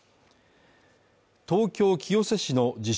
東京清瀬市の自称